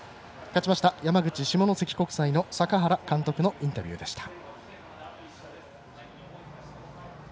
勝ちました、山口・下関国際の坂原監督のインタビューでした。